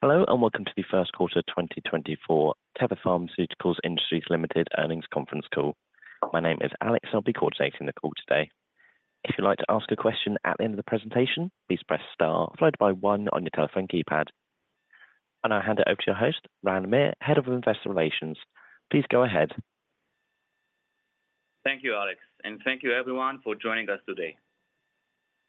Hello and welcome to the Q1 2024 Teva Pharmaceutical Industries Ltd. earnings conference call. My name is Alex. I'll be coordinating the call today. If you'd like to ask a question at the end of the presentation, please press star followed by one on your telephone keypad. And I'll hand it over to your host, Ran Meir, Head of Investor Relations. Please go ahead. Thank you, Alex, and thank you everyone for joining us today.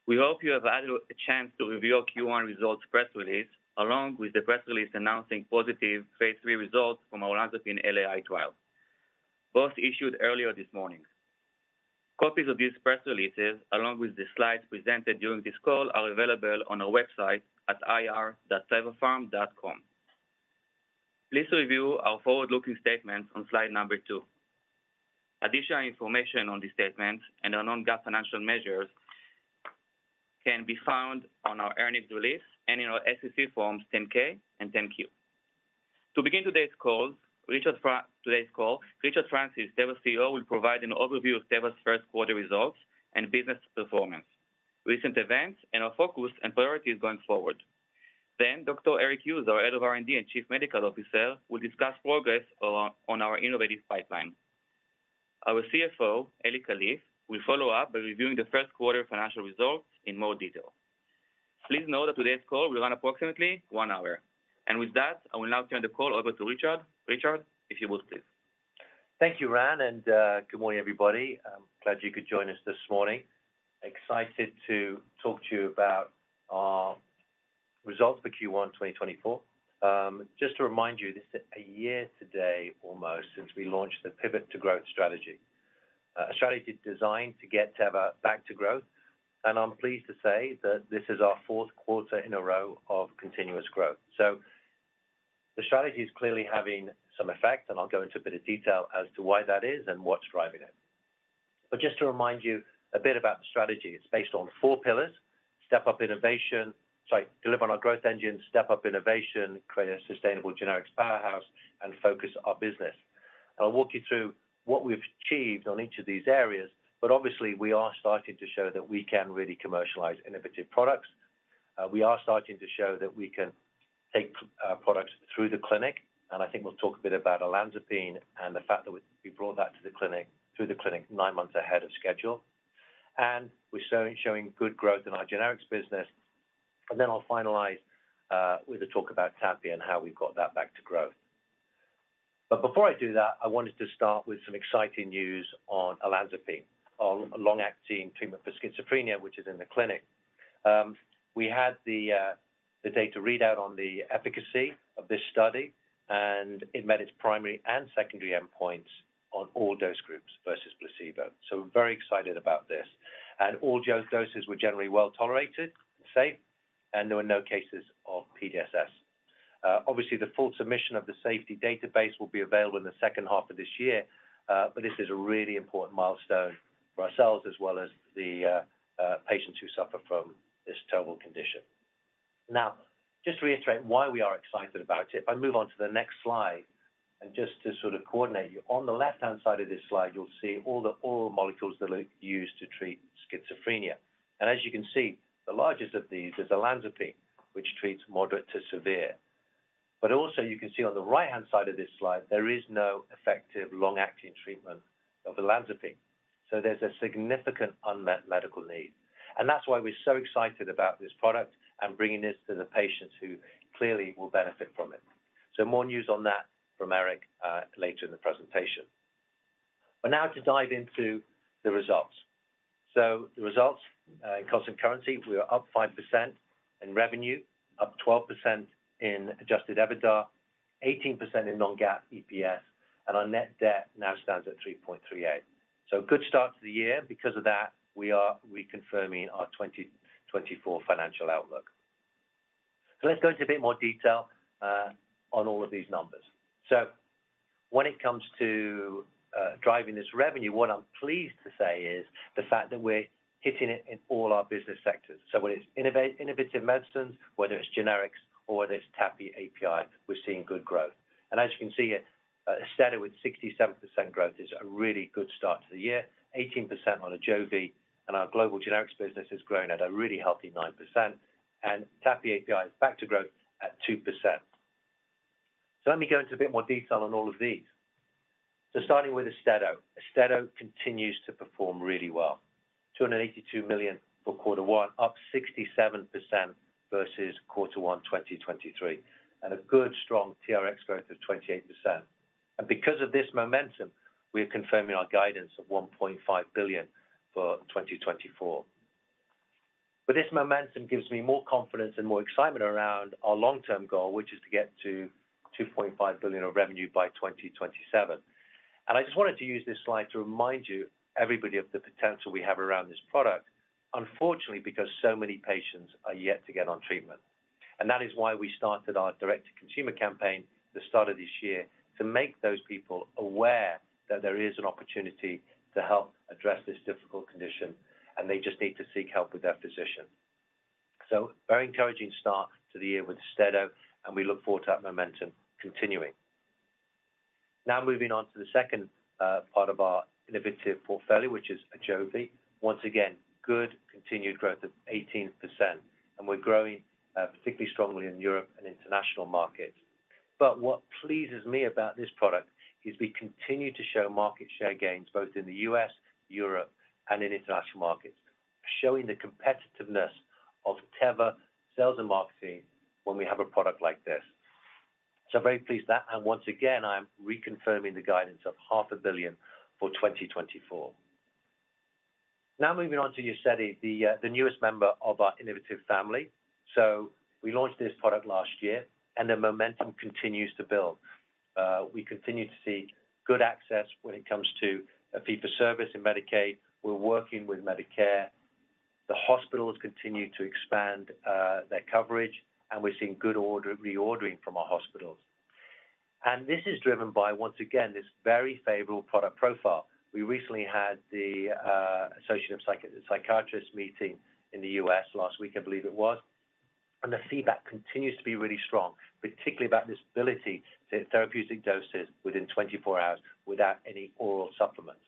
We hope you have had a chance to review our Q1 results press release along with the press release announcing positive phase 3 results from our olanzapine LAI trial, both issued earlier this morning. Copies of these press releases along with the slides presented during this call are available on our website at ir.tevapharm.com. Please review our forward-looking statements on slide number 2. Additional information on these statements and our non-GAAP measures can be found on our earnings release and in our SEC forms 10-K and 10-Q. To begin today's call, Richard Francis, Teva CEO, will provide an overview of Teva's first quarter results and business performance, recent events, and our focus and priorities going forward. Then Dr. Eric Hughes, our Head of R&D and Chief Medical Officer, will discuss progress on our innovative pipeline. Our CFO, Eli Kalif, will follow up by reviewing the first quarter financial results in more detail. Please note that today's call will run approximately one hour. With that, I will now turn the call over to Richard. Richard, if you would, please. Thank you, Ran, and good morning, everybody. Glad you could join us this morning. Excited to talk to you about our results for Q1 2024. Just to remind you, this is a year today almost since we launched the Pivot to Growth strategy, a strategy designed to get Teva back to growth. I'm pleased to say that this is our fourth quarter in a row of continuous growth. The strategy is clearly having some effect, and I'll go into a bit of detail as to why that is and what's driving it. Just to remind you a bit about the strategy, it's based on four pillars: deliver on our growth engine, step up innovation, create a sustainable generics powerhouse, and focus our business. I'll walk you through what we've achieved on each of these areas. But obviously, we are starting to show that we can really commercialize innovative products. We are starting to show that we can take products through the clinic. I think we'll talk a bit about olanzapine and the fact that we brought that through the clinic 9 months ahead of schedule. We're showing good growth in our generics business. Then I'll finalize with a talk about TAPI and how we've got that back to growth. But before I do that, I wanted to start with some exciting news on olanzapine, our long-acting treatment for schizophrenia, which is in the clinic. We had the data readout on the efficacy of this study, and it met its primary and secondary endpoints on all dose groups versus placebo. So we're very excited about this. All doses were generally well tolerated, safe, and there were no cases of PDSS. Obviously, the full submission of the safety database will be available in the second half of this year. But this is a really important milestone for ourselves as well as the patients who suffer from this terrible condition. Now, just to reiterate why we are excited about it, if I move on to the next slide and just to sort of coordinate you, on the left-hand side of this slide, you'll see all the oral molecules that are used to treat schizophrenia. And as you can see, the largest of these is olanzapine, which treats moderate to severe. But also, you can see on the right-hand side of this slide, there is no effective long-acting treatment of olanzapine. So there's a significant unmet medical need. And that's why we're so excited about this product and bringing this to the patients who clearly will benefit from it. So more news on that from Eric later in the presentation. But now to dive into the results. So the results in constant currency, we are up 5% in revenue, up 12% in adjusted EBITDA, 18% in non-GAAP EPS, and our net debt now stands at 3.38. So a good start to the year. Because of that, we are reconfirming our 2024 financial outlook. So let's go into a bit more detail on all of these numbers. So when it comes to driving this revenue, what I'm pleased to say is the fact that we're hitting it in all our business sectors. So whether it's innovative medicines, whether it's generics, or whether it's TAPI API, we're seeing good growth. As you can see here, Austedo with 67% growth is a really good start to the year, 18% on Ajovy, and our global generics business has grown at a really healthy 9%. TAPI API is back to growth at 2%. So let me go into a bit more detail on all of these. Starting with Austedo, Austedo continues to perform really well, $282 million for Q1, up 67% versus Q1 2023, and a good strong TRX growth of 28%. Because of this momentum, we are confirming our guidance of $1.5 billion for 2024. This momentum gives me more confidence and more excitement around our long-term goal, which is to get to $2.5 billion of revenue by 2027. And I just wanted to use this slide to remind you, everybody, of the potential we have around this product, unfortunately, because so many patients are yet to get on treatment. And that is why we started our direct-to-consumer campaign the start of this year to make those people aware that there is an opportunity to help address this difficult condition, and they just need to seek help with their physician. So a very encouraging start to the year with Austedo, and we look forward to that momentum continuing. Now moving on to the second part of our innovative portfolio, which is Ajovy. Once again, good continued growth of 18%. And we're growing particularly strongly in Europe and international markets. But what pleases me about this product is we continue to show market share gains both in the U.S., Europe, and in international markets, showing the competitiveness of Teva sales and marketing when we have a product like this. So I'm very pleased with that. And once again, I'm reconfirming the guidance of $500 million for 2024. Now moving on to Uzedy, the newest member of our innovative family. So we launched this product last year, and the momentum continues to build. We continue to see good access when it comes to fee-for-service in Medicaid. We're working with Medicare. The hospitals continue to expand their coverage, and we're seeing good reordering from our hospitals. And this is driven by, once again, this very favorable product profile. We recently had the Association of Psychiatrists meeting in the U.S. last week, I believe it was. The feedback continues to be really strong, particularly about this ability to hit therapeutic doses within 24 hours without any oral supplements.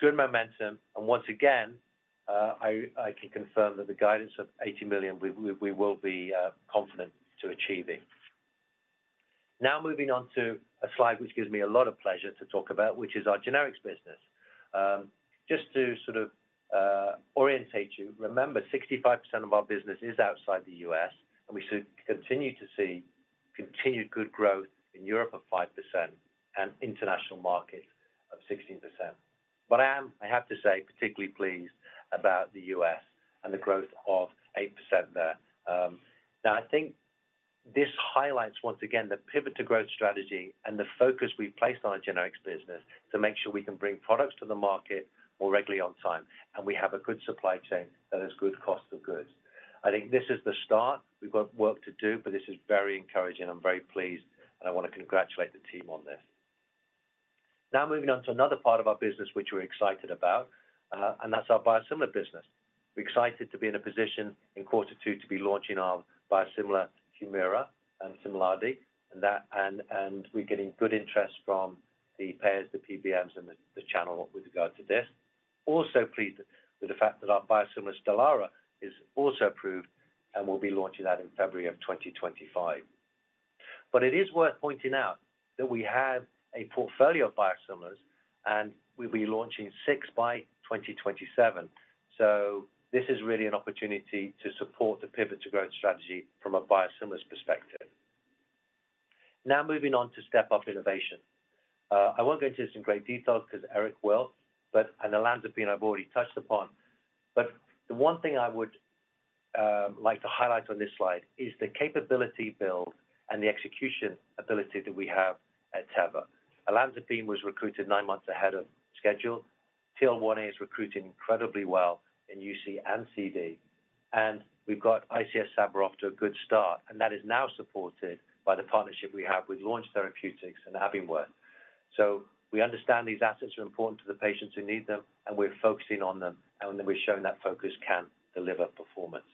Good momentum. Once again, I can confirm that the guidance of $80 million, we will be confident to achieving. Now moving on to a slide which gives me a lot of pleasure to talk about, which is our generics business. Just to sort of orientate you, remember, 65% of our business is outside the US. We continue to see continued good growth in Europe of 5% and international markets of 16%. But I am, I have to say, particularly pleased about the US and the growth of 8% there. Now, I think this highlights, once again, the Pivot to Growth strategy and the focus we've placed on our generics business to make sure we can bring products to the market more regularly on time, and we have a good supply chain that has good cost of goods. I think this is the start. We've got work to do, but this is very encouraging. I'm very pleased, and I want to congratulate the team on this. Now moving on to another part of our business, which we're excited about, and that's our biosimilar business. We're excited to be in a position in quarter two to be launching our biosimilar Humira and Simlandi, and we're getting good interest from the payers, the PBMs, and the channel with regard to this, also pleased with the fact that our biosimilar Stelara is also approved and will be launching that in February of 2025. But it is worth pointing out that we have a portfolio of biosimilars, and we'll be launching six by 2027. So this is really an opportunity to support the Pivot to Growth strategy from a biosimilar perspective. Now moving on to step up innovation. I won't go into this in great detail because Eric will, and olanzapine, I've already touched upon. But the one thing I would like to highlight on this slide is the capability build and the execution ability that we have at Teva. olanzapine was recruited nine months ahead of schedule. TL1A is recruiting incredibly well in UC and CD. And we've got ICS/SABA to a good start. And that is now supported by the partnership we have with Launch Therapeutics and Abbingworth. So we understand these assets are important to the patients who need them, and we're focusing on them. We're showing that focus can deliver performance.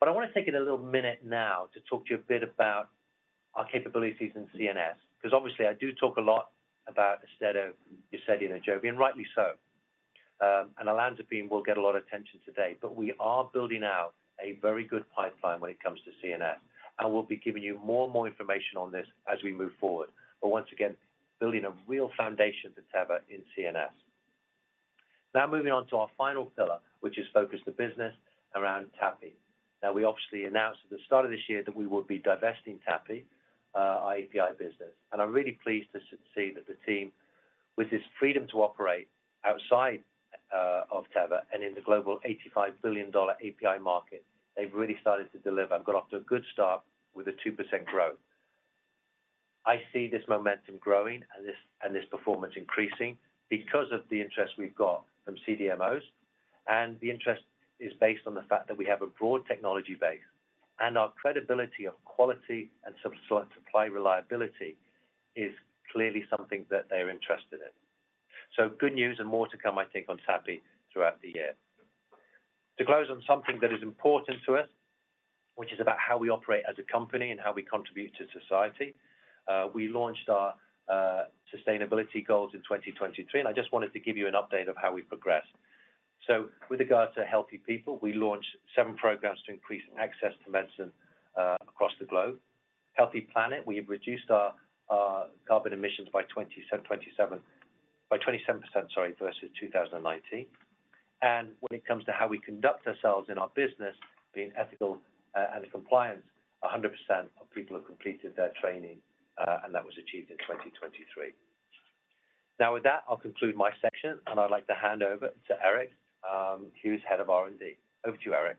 But I want to take it a little minute now to talk to you a bit about our capabilities in CNS because, obviously, I do talk a lot about Austedo, Uzedy, and Ajovy, and rightly so. olanzapine will get a lot of attention today. But we are building out a very good pipeline when it comes to CNS. We'll be giving you more and more information on this as we move forward. But once again, building a real foundation for Teva in CNS. Now moving on to our final pillar, which is focus to business around TAPI. Now, we obviously announced at the start of this year that we would be divesting TAPI, our API business. I'm really pleased to see that the team, with this freedom to operate outside of Teva and in the global $85 billion API market, they've really started to deliver. They've got off to a good start with 2% growth. I see this momentum growing and this performance increasing because of the interest we've got from CDMOs. And the interest is based on the fact that we have a broad technology base, and our credibility of quality and supply reliability is clearly something that they are interested in. So good news and more to come, I think, on TAPI throughout the year. To close on something that is important to us, which is about how we operate as a company and how we contribute to society, we launched our sustainability goals in 2023. I just wanted to give you an update of how we progressed. With regard to Healthy People, we launched seven programs to increase access to medicine across the globe. Healthy Planet, we have reduced our carbon emissions by 27%, sorry, versus 2019. When it comes to how we conduct ourselves in our business, being ethical and compliant, 100% of people have completed their training, and that was achieved in 2023. Now, with that, I'll conclude my section, and I'd like to hand over to Eric, who is head of R&D. Over to you, Eric.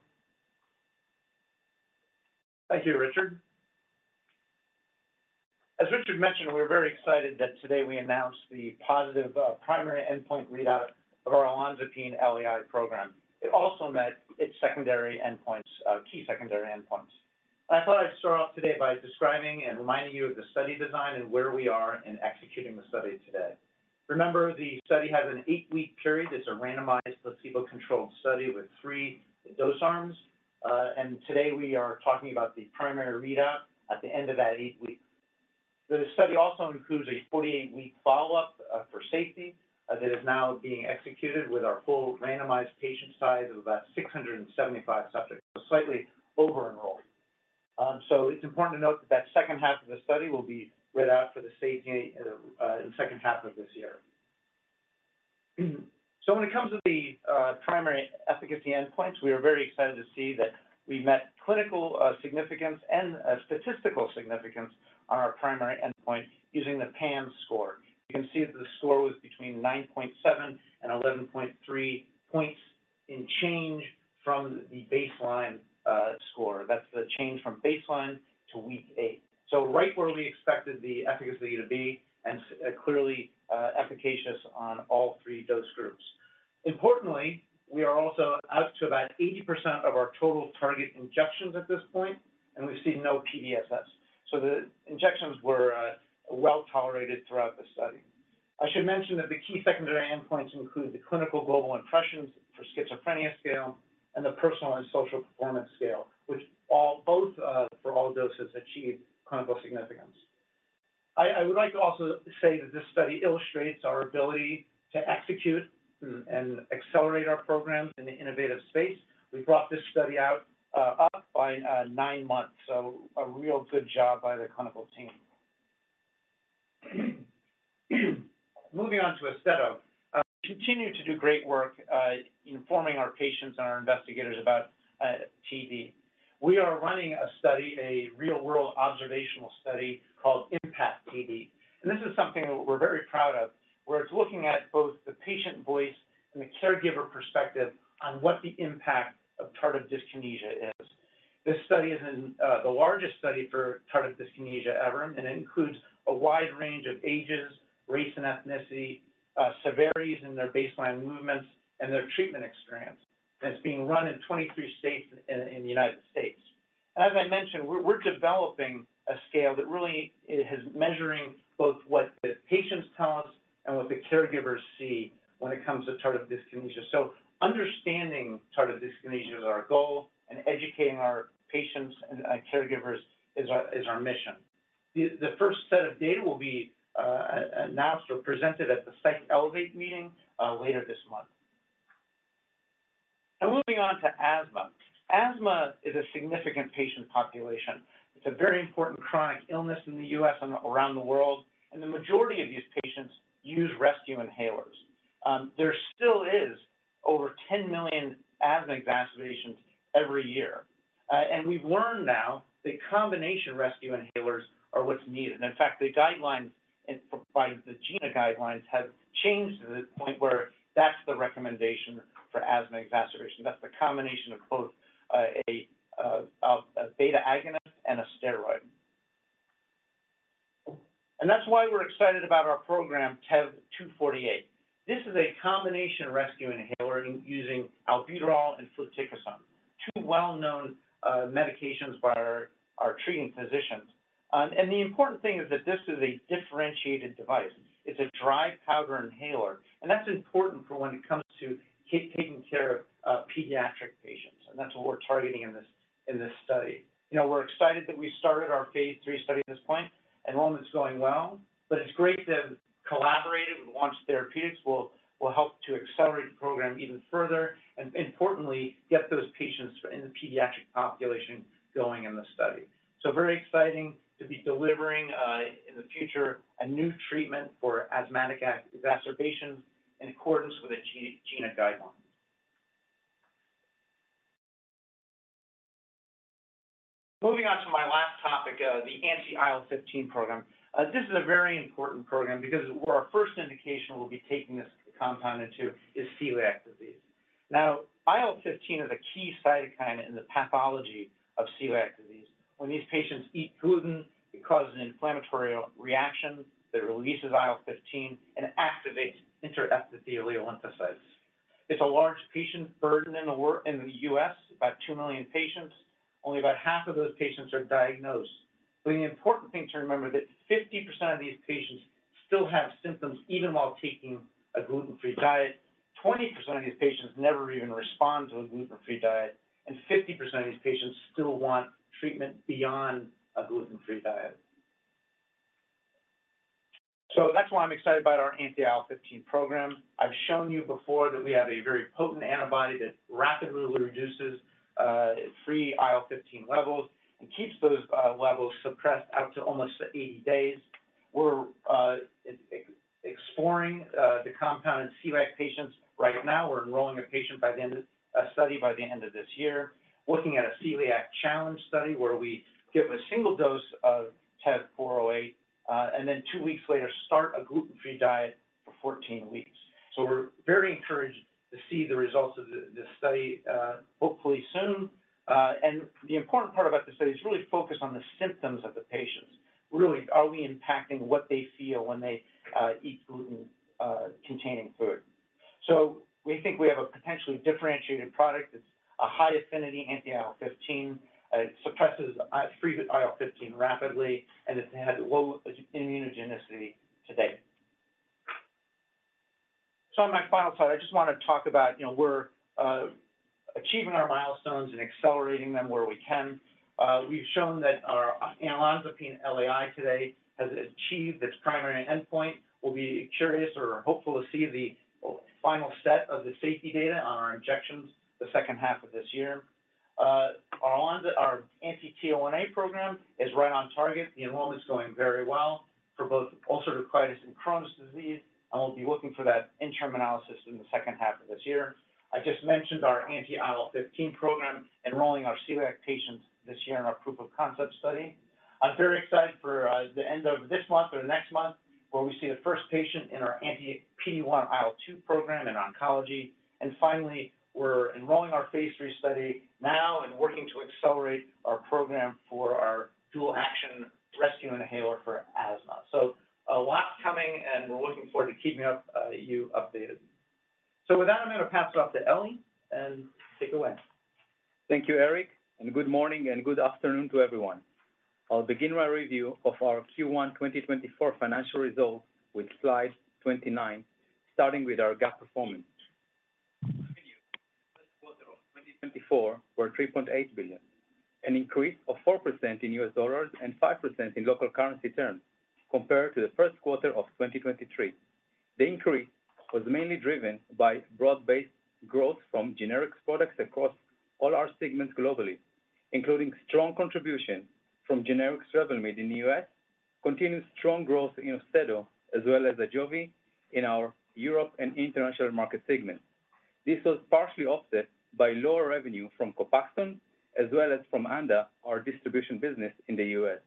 Thank you, Richard. As Richard mentioned, we're very excited that today we announced the positive primary endpoint readout of our olanzapine LAI program. It also met its key secondary endpoints. I thought I'd start off today by describing and reminding you of the study design and where we are in executing the study today. Remember, the study has an 8-week period. It's a randomized placebo-controlled study with three dose arms. Today, we are talking about the primary readout at the end of that eight weeks. The study also includes a 48-week follow-up for safety that is now being executed with our full randomized patient size of about 675 subjects, so slightly over-enrolled. It's important to note that that second half of the study will be read out for the safety in the second half of this year. So when it comes to the primary efficacy endpoints, we are very excited to see that we met clinical significance and statistical significance on our primary endpoint using the PANSS score. You can see that the score was between 9.7 and 11.3 points in change from the baseline score. That's the change from baseline to week eight, so right where we expected the efficacy to be and clearly efficacious on all three dose groups. Importantly, we are also out to about 80% of our total target injections at this point, and we've seen no PDSS. So the injections were well tolerated throughout the study. I should mention that the key secondary endpoints include the clinical global impressions for schizophrenia scale and the personal and social performance scale, both for all doses achieved clinical significance. I would like to also say that this study illustrates our ability to execute and accelerate our programs in the innovative space. We brought this study up by 9 months, so a real good job by the clinical team. Moving on to Austedo, we continue to do great work informing our patients and our investigators about TD. We are running a study, a real-world observational study called Impact TD. And this is something we're very proud of, where it's looking at both the patient voice and the caregiver perspective on what the impact of tardive dyskinesia is. This study is the largest study for tardive dyskinesia ever, and it includes a wide range of ages, race and ethnicity, severities in their baseline movements, and their treatment experience. And it's being run in 23 states in the United States. As I mentioned, we're developing a scale that really is measuring both what the patients tell us and what the caregivers see when it comes to tardive dyskinesia. So understanding tardive dyskinesia is our goal, and educating our patients and caregivers is our mission. The first set of data will be announced or presented at the Psych Elevate meeting later this month. Moving on to asthma. Asthma is a significant patient population. It's a very important chronic illness in the U.S. and around the world. The majority of these patients use rescue inhalers. There still is over 10 million asthma exacerbations every year. We've learned now that combination rescue inhalers are what's needed. In fact, the guidelines by the GINA guidelines have changed to the point where that's the recommendation for asthma exacerbation. That's the combination of both a beta agonist and a steroid. That's why we're excited about our program, TEV-248. This is a combination rescue inhaler using albuterol and fluticasone, two well-known medications by our treating physicians. The important thing is that this is a differentiated device. It's a dry powder inhaler. That's important for when it comes to taking care of pediatric patients. That's what we're targeting in this study. We're excited that we started our phase 3 study at this point. Enrollment's going well. But it's great that collaboration with Launch Therapeutics will help to accelerate the program even further and, importantly, get those patients in the pediatric population going in the study. Very exciting to be delivering in the future a new treatment for asthmatic exacerbations in accordance with the GINA guidelines. Moving on to my last topic, the anti-IL-15 program. This is a very important program because where our first indication we'll be taking this compound into is celiac disease. Now, IL-15 is a key cytokine in the pathology of celiac disease. When these patients eat gluten, it causes an inflammatory reaction that releases IL-15 and activates interepithelial lymphocytes. It's a large patient burden in the U.S., about 2 million patients. Only about half of those patients are diagnosed. But the important thing to remember is that 50% of these patients still have symptoms even while taking a gluten-free diet. 20% of these patients never even respond to a gluten-free diet. And 50% of these patients still want treatment beyond a gluten-free diet. So that's why I'm excited about our anti-IL-15 program. I've shown you before that we have a very potent antibody that rapidly reduces free IL-15 levels and keeps those levels suppressed out to almost 80 days. We're exploring the compound in celiac patients right now. We're enrolling a patient by the end of a study by the end of this year, looking at a celiac challenge study where we give a single dose of TEV-408 and then, two weeks later, start a gluten-free diet for 14 weeks. So we're very encouraged to see the results of this study, hopefully soon. And the important part about this study is really focus on the symptoms of the patients. Really, are we impacting what they feel when they eat gluten-containing food? So we think we have a potentially differentiated product. It's a high-affinity anti-IL-15. It suppresses free IL-15 rapidly, and it has low immunogenicity today. So on my final slide, I just want to talk about we're achieving our milestones and accelerating them where we can. We've shown that our olanzapine LAI today has achieved its primary endpoint. We'll be curious or hopeful to see the final set of the safety data on our injections the second half of this year. Our anti-TL1A program is right on target. The enrollment's going very well for both ulcerative colitis and Crohn's disease. We'll be looking for that interim analysis in the second half of this year. I just mentioned our anti-IL-15 program, enrolling our celiac patients this year in our proof of concept study. I'm very excited for the end of this month or next month where we see the first patient in our anti-PD-1/IL-2 program in oncology. Finally, we're enrolling our phase three study now and working to accelerate our program for our dual-action rescue inhaler for asthma. So a lot's coming, and we're looking forward to keeping you updated. So with that, I'm going to pass it off to Eli and take it away. Thank you, Eric. And good morning and good afternoon to everyone. I'll begin my review of our Q1 2024 financial results with slide 29, starting with our GAAP performance. In the first quarter of 2024, revenues were $3.8 billion, an increase of 4% in U.S. dollars and 5% in local currency terms compared to the Q1 of 2023. The increase was mainly driven by broad-based growth from generics products across all our segments globally, including strong contribution from generic Revlimid in the U.S., continued strong growth in Austedo as well as Ajovy in our Europe and international market segments. This was partially offset by lower revenue from Copaxone as well as from Anda, our distribution business in the U.S.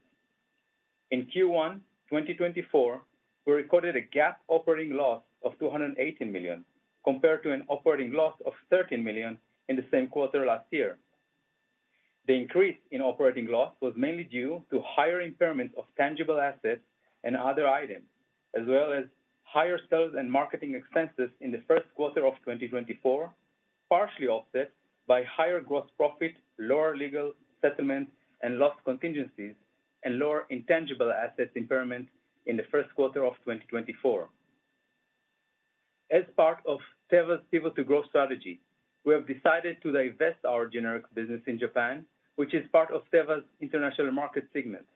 In Q1 2024, we recorded a GAAP operating loss of $218 million compared to an operating loss of $13 million in the same quarter last year. The increase in operating loss was mainly due to higher impairments of tangible assets and other items as well as higher sales and marketing expenses in the first quarter of 2024, partially offset by higher gross profit, lower legal settlement and loss contingencies, and lower intangible assets impairment in the first quarter of 2024. As part of Teva's Pivot to Growth strategy, we have decided to divest our generics business in Japan, which is part of Teva's International Markets segment.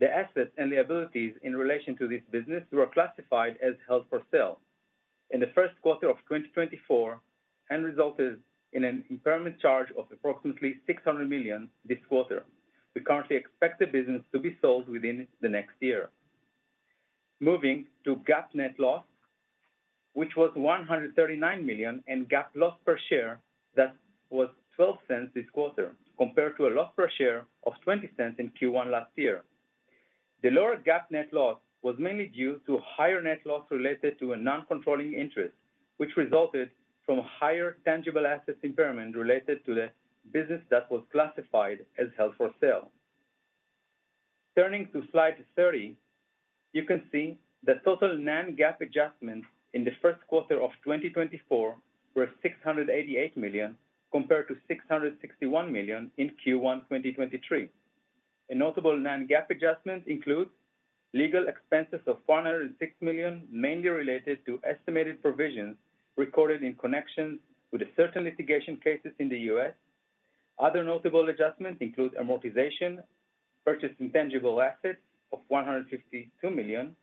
The assets and the liabilities in relation to this business were classified as held for sale in the first quarter of 2024 and resulted in an impairment charge of approximately $600 million this quarter. We currently expect the business to be sold within the next year. Moving to GAAP net loss, which was $139 million and GAAP loss per share, that was $0.12 this quarter compared to a loss per share of $0.20 in Q1 last year. The lower GAAP net loss was mainly due to higher net loss related to a non-controlling interest, which resulted from higher tangible assets impairment related to the business that was classified as held for sale. Turning to slide 30, you can see the total non-GAAP adjustments in the first quarter of 2024 were $688 million compared to $661 million in Q1 2023. A notable non-GAAP adjustment includes legal expenses of $406 million, mainly related to estimated provisions recorded in connection with certain litigation cases in the U.S. Other notable adjustments include amortization, purchased intangible assets of $152 million,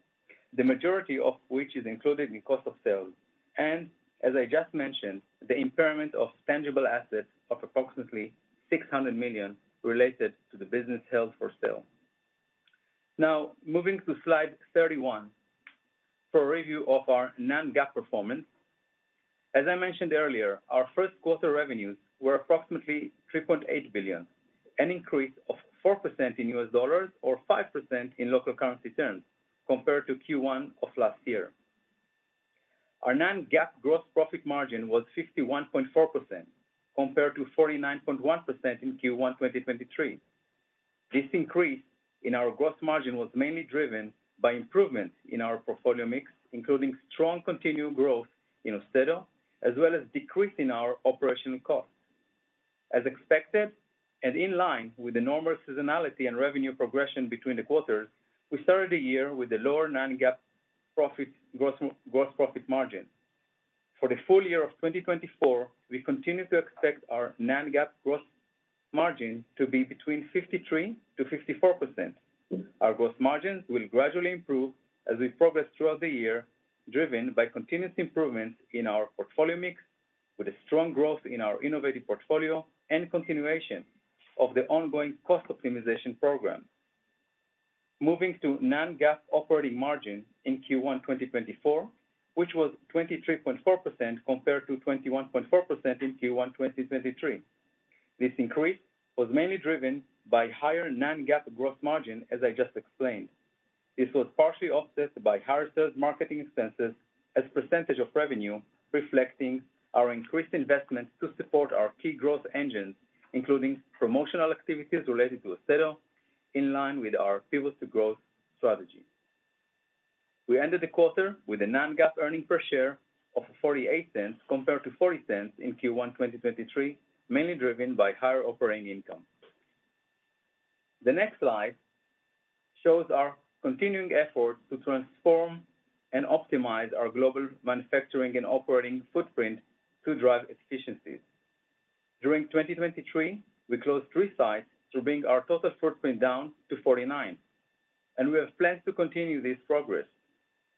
the majority of which is included in cost of sales, and, as I just mentioned, the impairment of tangible assets of approximately $600 million related to the business held for sale. Now, moving to slide 31 for a review of our non-GAAP performance. As I mentioned earlier, our first quarter revenues were approximately $3.8 billion, an increase of 4% in US dollars or 5% in local currency terms compared to Q1 of last year. Our non-GAAP gross profit margin was 51.4% compared to 49.1% in Q1 2023. This increase in our gross margin was mainly driven by improvements in our portfolio mix, including strong continual growth in Austedo as well as decrease in our operational costs. As expected and in line with the normal seasonality and revenue progression between the quarters, we started the year with a lower non-GAAP gross profit margin. For the full year of 2024, we continue to expect our non-GAAP gross margin to be between 53%-54%. Our gross margins will gradually improve as we progress throughout the year, driven by continuous improvements in our portfolio mix with a strong growth in our innovative portfolio and continuation of the ongoing cost optimization program. Moving to non-GAAP operating margin in Q1 2024, which was 23.4% compared to 21.4% in Q1 2023. This increase was mainly driven by higher non-GAAP gross margin, as I just explained. This was partially offset by higher sales marketing expenses as a percentage of revenue reflecting our increased investments to support our key growth engines, including promotional activities related to Austedo, in line with our Pivot to Growth strategy. We ended the quarter with a non-GAAP earnings per share of $0.48 compared to $0.40 in Q1 2023, mainly driven by higher operating income. The next slide shows our continuing efforts to transform and optimize our global manufacturing and operating footprint to drive efficiencies. During 2023, we closed three sites to bring our total footprint down to 49. We have plans to continue this progress.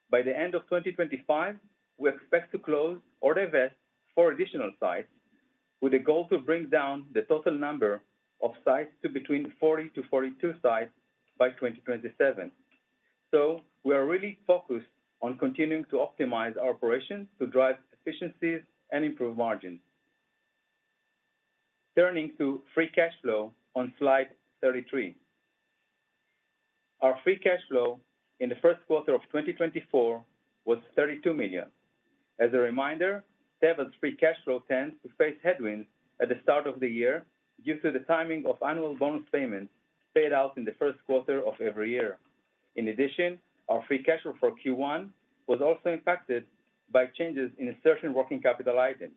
By the end of 2025, we expect to close or divest 4 additional sites with a goal to bring down the total number of sites to between 40-42 sites by 2027. So, we are really focused on continuing to optimize our operations to drive efficiencies and improve margins. Turning to free cash flow on slide 33. Our free cash flow in the first quarter of 2024 was $32 million. As a reminder, Teva's free cash flow tends to face headwinds at the start of the year due to the timing of annual bonus payments paid out in the first quarter of every year. In addition, our free cash flow for Q1 was also impacted by changes in certain working capital items.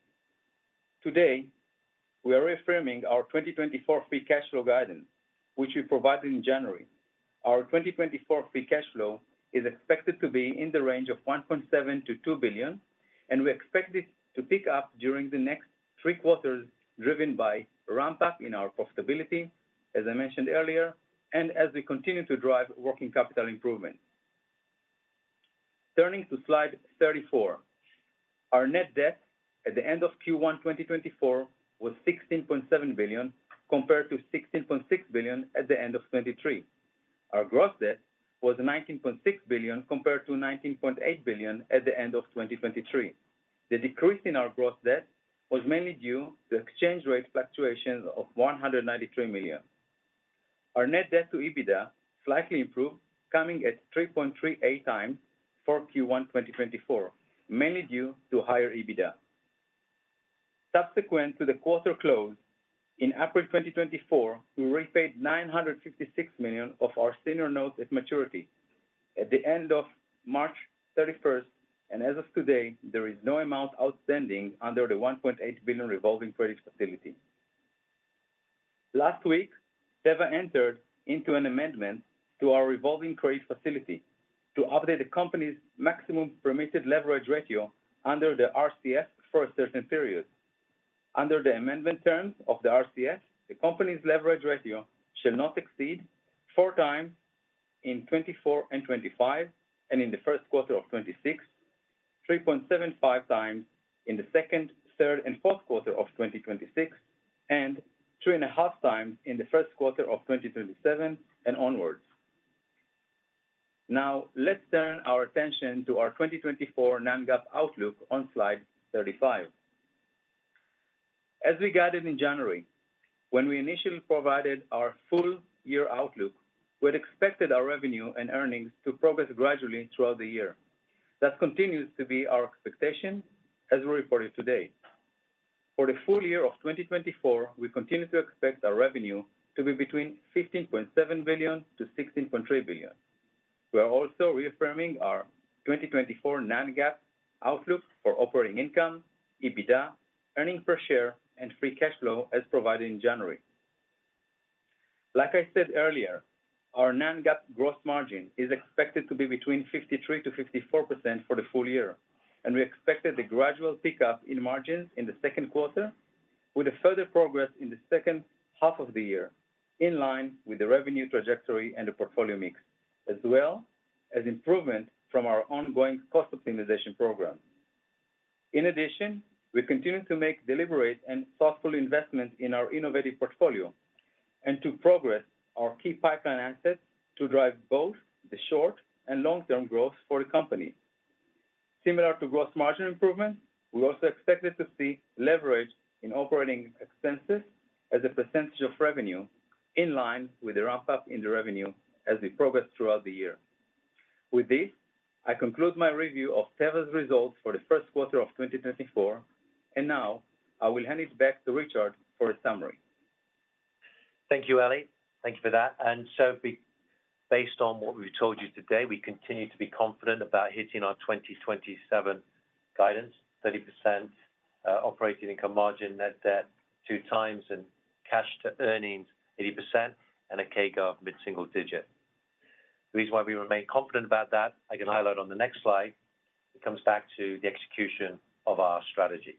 Today, we are reframing our 2024 free cash flow guidance, which we provided in January. Our 2024 free cash flow is expected to be in the range of $1.7 billion-$2 billion. And we expect it to pick up during the next three quarters, driven by ramp-up in our profitability, as I mentioned earlier, and as we continue to drive working capital improvement. Turning to slide 34. Our net debt at the end of Q1 2024 was $16.7 billion compared to $16.6 billion at the end of 2023. Our gross debt was $19.6 billion compared to $19.8 billion at the end of 2023. The decrease in our gross debt was mainly due to exchange rate fluctuations of $193 million. Our net debt to EBITDA slightly improved, coming at 3.38 times for Q1 2024, mainly due to higher EBITDA. Subsequent to the quarter close, in April 2024, we repaid $956 million of our senior notes at maturity at the end of March 31st. As of today, there is no amount outstanding under the $1.8 billion revolving credit facility. Last week, Teva entered into an amendment to our revolving credit facility to update the company's maximum permitted leverage ratio under the RCF for a certain period. Under the amendment terms of the RCF, the company's leverage ratio shall not exceed 4x in 2024 and 2025 and in the first quarter of 2026, 3.75x in the second, third, and fourth quarter of 2026, and 3.5x in the first quarter of 2027 and onwards. Now, let's turn our attention to our 2024 non-GAAP outlook on slide 35. As we guided in January, when we initially provided our full year outlook, we had expected our revenue and earnings to progress gradually throughout the year. That continues to be our expectation as we reported today. For the full year of 2024, we continue to expect our revenue to be between $15.7 billion-$16.3 billion. We are also reaffirming our 2024 non-GAAP outlook for operating income, EBITDA, earnings per share, and free cash flow as provided in January. Like I said earlier, our non-GAAP gross margin is expected to be between 53%-54% for the full year. We expected a gradual pickup in margins in the second quarter with a further progress in the second half of the year in line with the revenue trajectory and the portfolio mix, as well as improvement from our ongoing cost optimization program. In addition, we continue to make deliberate and thoughtful investments in our innovative portfolio and to progress our key pipeline assets to drive both the short and long-term growth for the company. Similar to gross margin improvements, we also expected to see leverage in operating expenses as a percentage of revenue in line with the ramp-up in the revenue as we progress throughout the year. With this, I conclude my review of Teva's results for the first quarter of 2024. Now, I will hand it back to Richard for a summary. Thank you, Eli. Thank you for that. So based on what we've told you today, we continue to be confident about hitting our 2027 guidance, 30% operating income margin, net debt 2x, and cash to earnings 80% and a CAGR of mid-single digit. The reason why we remain confident about that, I can highlight on the next slide, it comes back to the execution of our strategy.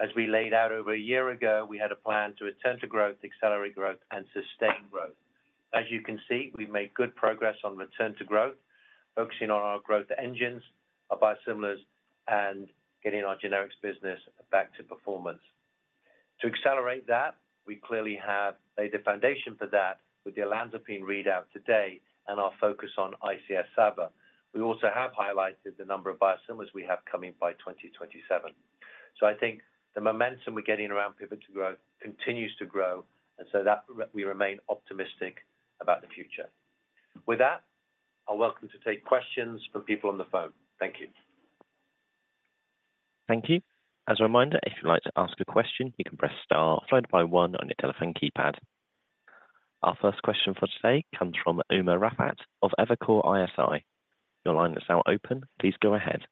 As we laid out over a year ago, we had a plan to return to growth, accelerate growth, and sustain growth. As you can see, we've made good progress on return to growth, focusing on our growth engines, our biosimilars, and getting our generics business back to performance. To accelerate that, we clearly have laid the foundation for that with the olanzapine readout today and our focus on ICS/SABA. We also have highlighted the number of biosimilars we have coming by 2027. So I think the momentum we're getting around Pivot to Growth continues to grow. And so we remain optimistic about the future. With that, I welcome to take questions from people on the phone. Thank you. Thank you. As a reminder, if you'd like to ask a question, you can press star followed by one on your telephone keypad. Our first question for today comes from Umer Raffat of Evercore ISI. Your line is now open. Please go ahead.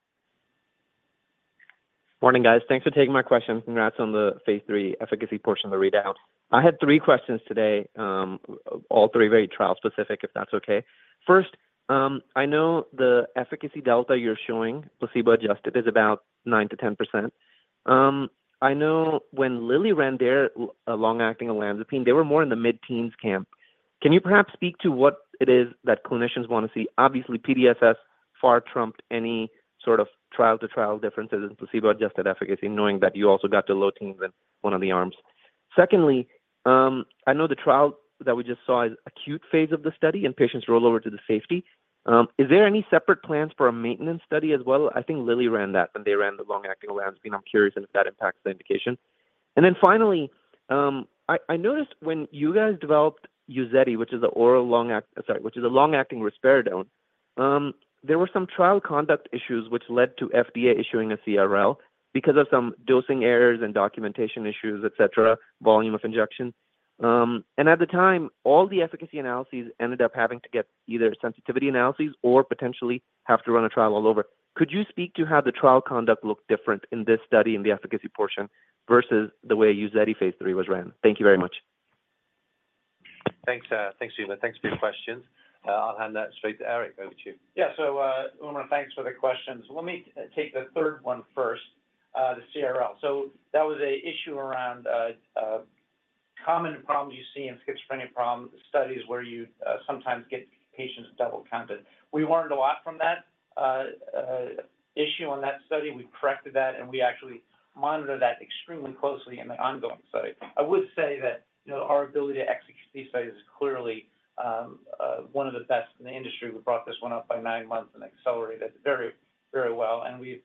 Morning, guys. Thanks for taking my questions. Congrats on the phase 3 efficacy portion of the readout. I had three questions today, all three very trial-specific, if that's okay. First, I know the efficacy delta you're showing, placebo-adjusted, is about 9%-10%. I know when Lilly ran their long-acting olanzapine, they were more in the mid-teens camp. Can you perhaps speak to what it is that clinicians want to see? Obviously, PDSS far trumped any sort of trial-to-trial differences in placebo-adjusted efficacy, knowing that you also got to low teens in one of the arms. Secondly, I know the trial that we just saw is acute phase of the study and patients roll over to the safety. Is there any separate plans for a maintenance study as well? I think Lilly ran that when they ran the long-acting olanzapine. I'm curious if that impacts the indication. And then finally, I noticed when you guys developed Uzedy, which is the long-acting risperidone, there were some trial conduct issues which led to the FDA issuing a CRL because of some dosing errors and documentation issues, etc., volume of injection. At the time, all the efficacy analyses ended up having to get either sensitivity analyses or potentially have to run a trial all over. Could you speak to how the trial conduct looked different in this study in the efficacy portion versus the way Uzedy phase 3 was ran? Thank you very much. Thanks, Evan. Thanks for your questions. I'll hand that straight to Eric. Over to you. Yeah. So, Umer, thanks for the questions. Let me take the third one first, the CRL. So that was an issue around common problems you see in schizophrenia problem studies where you sometimes get patients double counted. We learned a lot from that issue on that study. We corrected that, and we actually monitor that extremely closely in the ongoing study. I would say that our ability to execute these studies is clearly one of the best in the industry. We brought this one up by nine months and accelerated it very, very well. And we've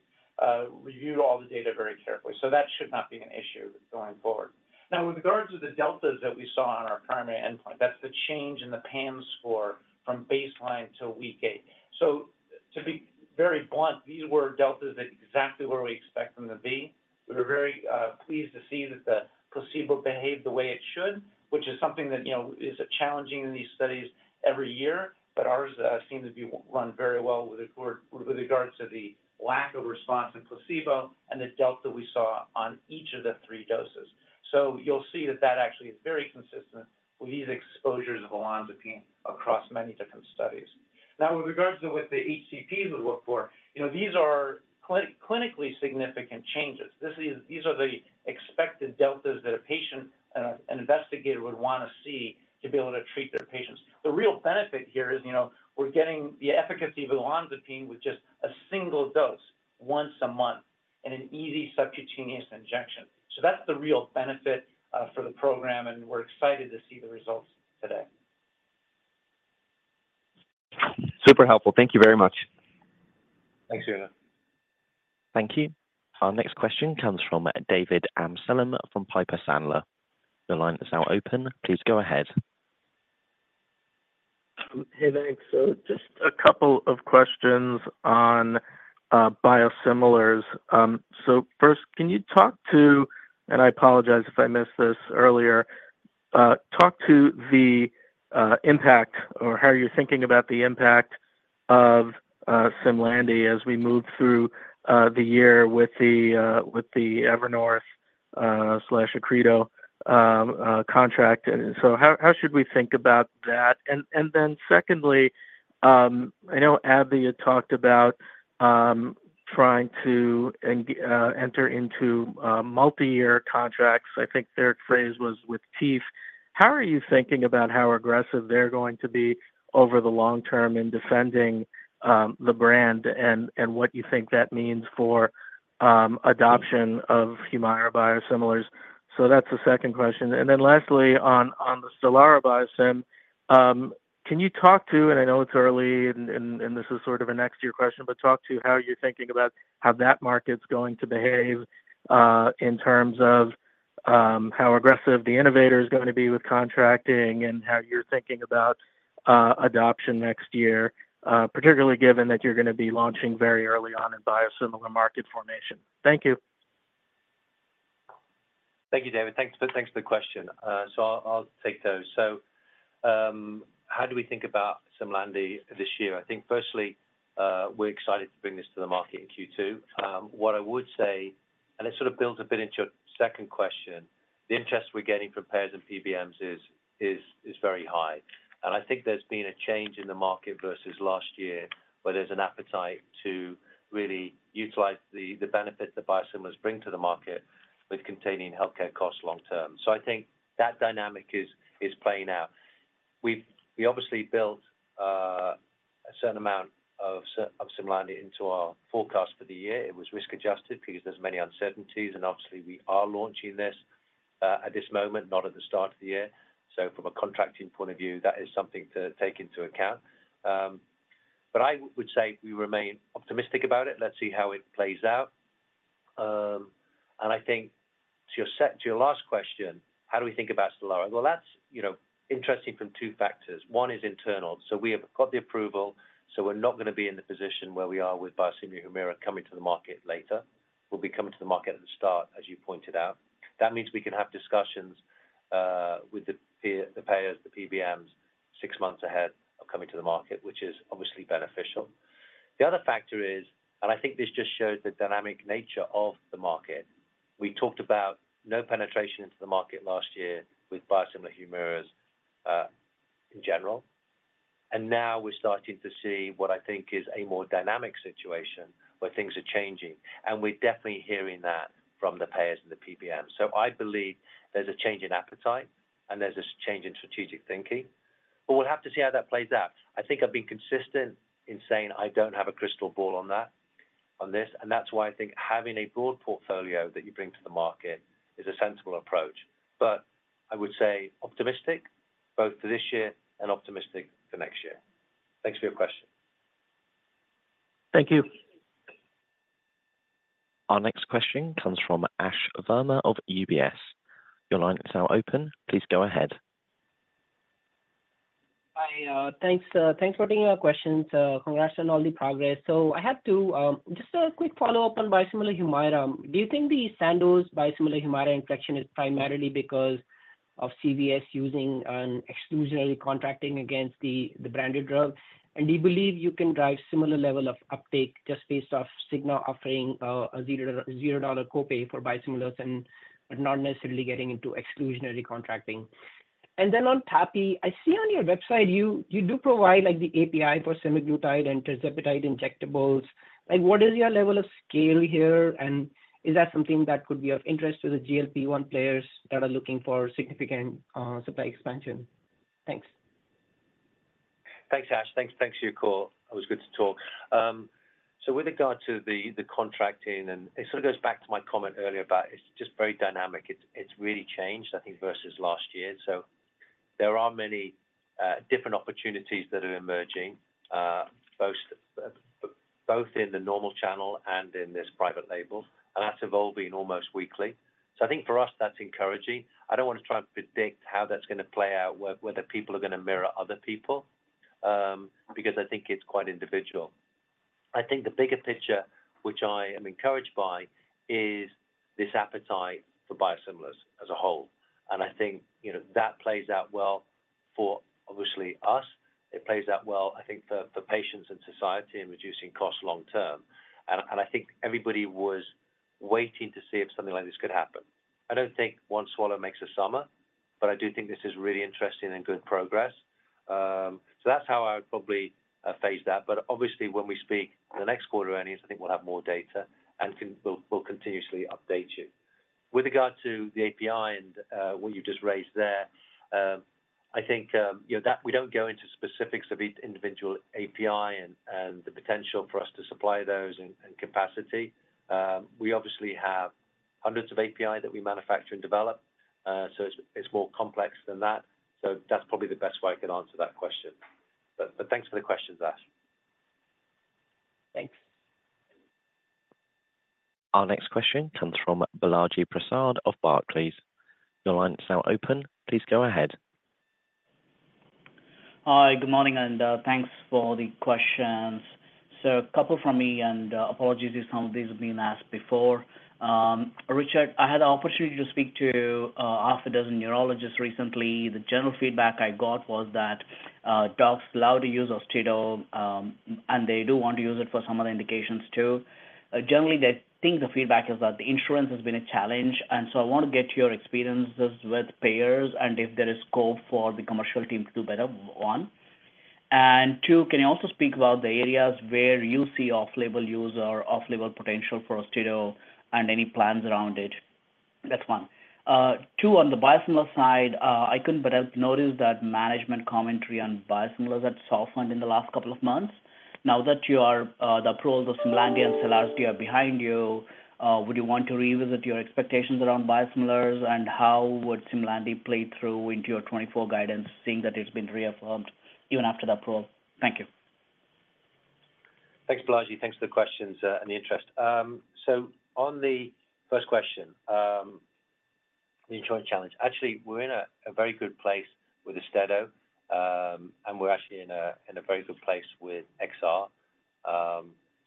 reviewed all the data very carefully. So that should not be an issue going forward. Now, with regards to the deltas that we saw on our primary endpoint, that's the change in the PANSS score from baseline to week eight. So to be very blunt, these were deltas exactly where we expected them to be. We were very pleased to see that the placebo behaved the way it should, which is something that is challenging in these studies every year. But ours seemed to be run very well with regards to the lack of response in placebo and the delta we saw on each of the 3 doses. So you'll see that that actually is very consistent with these exposures of olanzapine across many different studies. Now, with regards to what the HCPs would look for, these are clinically significant changes. These are the expected deltas that a patient and an investigator would want to see to be able to treat their patients. The real benefit here is we're getting the efficacy of olanzapine with just a single dose once a month and an easy subcutaneous injection. That's the real benefit for the program. We're excited to see the results today. Super helpful. Thank you very much. Thanks, Umer. Thank you. Our next question comes from David Amsellem from Piper Sandler. Your line is now open. Please go ahead. Hey, thanks. So just a couple of questions on biosimilars. So first, can you talk to and I apologize if I missed this earlier. Talk to the impact or how you're thinking about the impact of Simlandi as we move through the year with the Evernorth/Accredo contract. And so how should we think about that? And then secondly, I know AbbVie had talked about trying to enter into multi-year contracts. I think their phrase was with teeth. How are you thinking about how aggressive they're going to be over the long term in defending the brand and what you think that means for adoption of Humira biosimilars? So that's the second question. And then lastly, on the Stelara biosim, can you talk to, and I know it's early, and this is sort of a next-year question, but talk to how you're thinking about how that market's going to behave in terms of how aggressive the innovator is going to be with contracting and how you're thinking about adoption next year, particularly given that you're going to be launching very early on in biosimilar market formation? Thank you. Thank you, David. Thanks for the question. So I'll take those. So how do we think about Simlandi this year? I think, firstly, we're excited to bring this to the market in Q2. What I would say, and it sort of builds a bit into your second question. The interest we're getting from payers and PBMs is very high. And I think there's been a change in the market versus last year where there's an appetite to really utilize the benefits that biosimilars bring to the market with containing healthcare costs long term. So I think that dynamic is playing out. We obviously built a certain amount of Simlandi into our forecast for the year. It was risk-adjusted because there's many uncertainties. And obviously, we are launching this at this moment, not at the start of the year. So from a contracting point of view, that is something to take into account. But I would say we remain optimistic about it. Let's see how it plays out. And I think to your last question, how do we think about Stelara? Well, that's interesting from two factors. One is internal. So we have got the approval. So we're not going to be in the position where we are with biosimilar Humira coming to the market later. We'll be coming to the market at the start, as you pointed out. That means we can have discussions with the payers, the PBMs, six months ahead of coming to the market, which is obviously beneficial. The other factor is and I think this just shows the dynamic nature of the market. We talked about no penetration into the market last year with biosimilar Humiras in general. And now we're starting to see what I think is a more dynamic situation where things are changing. And we're definitely hearing that from the payers and the PBMs. So I believe there's a change in appetite, and there's a change in strategic thinking. But we'll have to see how that plays out. I think I've been consistent in saying I don't have a crystal ball on this. And that's why I think having a broad portfolio that you bring to the market is a sensible approach. But I would say optimistic, both for this year and optimistic for next year. Thanks for your question. Thank you. Our next question comes from Ash Verma of UBS. Your line is now open. Please go ahead. Hi. Thanks for taking my questions. Congrats on all the progress. So I have just a quick follow-up on biosimilar Humira. Do you think the Sandoz biosimilar Humira inflection is primarily because of CVS using an exclusionary contracting against the branded drug? And do you believe you can drive similar level of uptake just based off Cigna offering a $0 copay for biosimilars but not necessarily getting into exclusionary contracting? And then on TAPI, I see on your website you do provide the API for semaglutide and tirzepatide injectables. What is your level of scale here? And is that something that could be of interest to the GLP-1 players that are looking for significant supply expansion? Thanks. Thanks, Ash. Thanks to you, It was good to talk. So with regard to the contracting and it sort of goes back to my comment earlier about, it's just very dynamic. It's really changed, I think, versus last year. So there are many different opportunities that are emerging, both in the normal channel and in this private label. And that's evolving almost weekly. So I think for us, that's encouraging. I don't want to try and predict how that's going to play out, whether people are going to mirror other people, because I think it's quite individual. I think the bigger picture, which I am encouraged by, is this appetite for biosimilars as a whole. And I think that plays out well for, obviously, us. It plays out well, I think, for patients and society in reducing costs long term. I think everybody was waiting to see if something like this could happen. I don't think one swallow makes a summer, but I do think this is really interesting and good progress. So that's how I would probably phrase that. But obviously, when we speak the next quarter earnings, I think we'll have more data and we'll continuously update you. With regard to the API and what you've just raised there, I think we don't go into specifics of each individual API and the potential for us to supply those and capacity. We obviously have hundreds of APIs that we manufacture and develop. So it's more complex than that. So that's probably the best way I can answer that question. But thanks for the questions, Ash. Thanks. Our next question comes from Balaji Prasad of Barclays, please. Your line is now open. Please go ahead. Hi. Good morning. Thanks for the questions. So a couple from me, and apologies if some of these have been asked before. Richard, I had the opportunity to speak to half a dozen neurologists recently. The general feedback I got was that docs allow the use of Austedo, and they do want to use it for some other indications too. Generally, I think the feedback is that the insurance has been a challenge. And so I want to get your experiences with payers and if there is scope for the commercial team to do better, one. And two, can you also speak about the areas where you see off-label use or off-label potential for Austedo and any plans around it? That's one. Two, on the biosimilar side, I couldn't but notice that management commentary on biosimilars had softened in the last couple of months. Now that the approvals of Simlandi and Selarsdi are behind you, would you want to revisit your expectations around biosimilars? And how would Simlandi play through into your 2024 guidance, seeing that it's been reaffirmed even after the approval? Thank you. Thanks, Balaji. Thanks for the questions and the interest. So on the first question, the insurance challenge. Actually, we're in a very good place with the Austedo, and we're actually in a very good place with XR.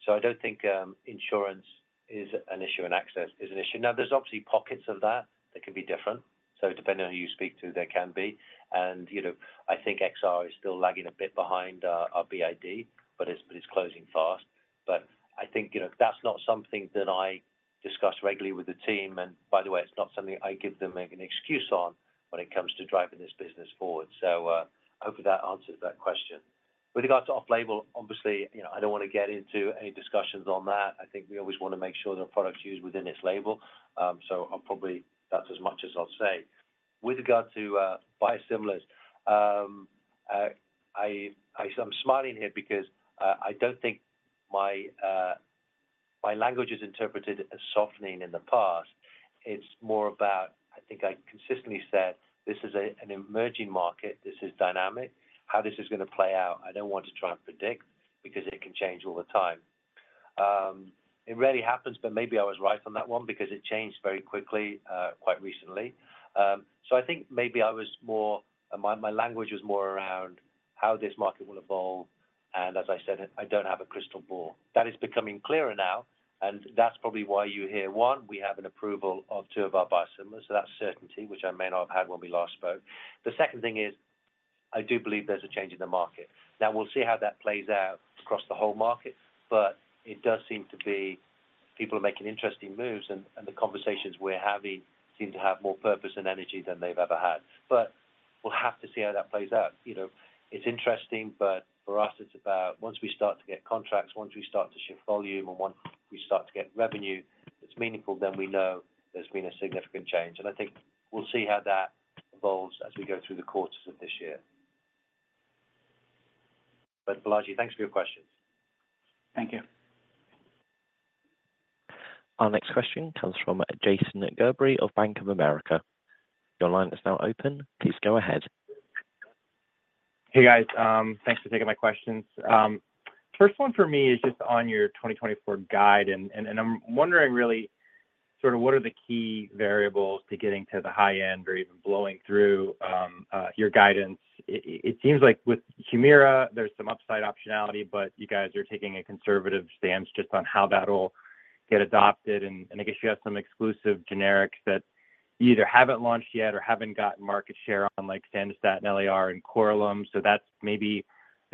So I don't think insurance is an issue and access is an issue. Now, there's obviously pockets of that that can be different. So depending on who you speak to, there can be. And I think XR is still lagging a bit behind our BID, but it's closing fast. But I think that's not something that I discuss regularly with the team. And by the way, it's not something I give them an excuse on when it comes to driving this business forward. So hopefully, that answers that question. With regard to off-label, obviously, I don't want to get into any discussions on that. I think we always want to make sure that a product's used within its label. So that's as much as I'll say. With regard to biosimilars, I'm smiling here because I don't think my language is interpreted as softening in the past. It's more about I think I consistently said, "This is an emerging market. This is dynamic. How this is going to play out, I don't want to try and predict because it can change all the time." It rarely happens, but maybe I was right on that one because it changed very quickly quite recently. So I think maybe my language was more around how this market will evolve. And as I said, I don't have a crystal ball. That is becoming clearer now. And that's probably why you hear, one, we have an approval of two of our biosimilars. So that's certainty, which I may not have had when we last spoke. The second thing is I do believe there's a change in the market. Now, we'll see how that plays out across the whole market. But it does seem to be people are making interesting moves, and the conversations we're having seem to have more purpose and energy than they've ever had. But we'll have to see how that plays out. It's interesting, but for us, it's about once we start to get contracts, once we start to shift volume, and once we start to get revenue that's meaningful, then we know there's been a significant change. And I think we'll see how that evolves as we go through the quarters of this year. But Balaji, thanks for your questions. Thank you. Our next question comes from Jason Gerberry of Bank of America. Your line is now open. Please go ahead. Hey, guys. Thanks for taking my questions. First one for me is just on your 2024 guide. And I'm wondering really sort of what are the key variables to getting to the high end or even blowing through your guidance. It seems like with Humira, there's some upside optionality, but you guys are taking a conservative stance just on how that'll get adopted. And I guess you have some exclusive generics that either haven't launched yet or haven't gotten market share on Sandostatin LAR and Korlym. So that's maybe